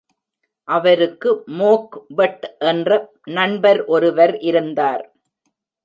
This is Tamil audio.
அவருக்கு மோக்வெட் என்ற நண்பர் ஒருவர் இருந்தார்.